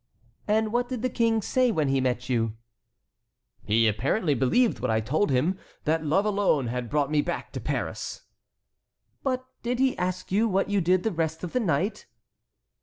"And what did the King say when he met you?" "He apparently believed what I told him, that love alone had brought me back to Paris." "But did he ask you what you did the rest of the night?"